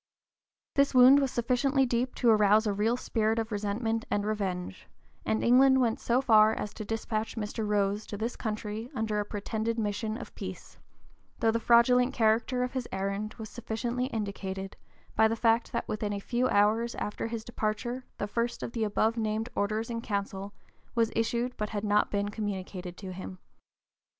This wound was sufficiently deep to arouse a real spirit of resentment and revenge, and England went so far as to dispatch Mr. Rose to this country upon a pretended mission of peace, though the fraudulent character of his errand was sufficiently indicated by the fact that within a few hours after his departure the first of the above named Orders in Council was issued but had not (p. 046) been communicated to him.